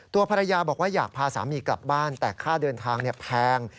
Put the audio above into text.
ตัวภรรยาบอกว่าอยากพาสามีกลับบ้านแต่ค่าเดินทางแพง